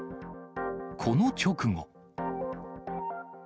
この直後。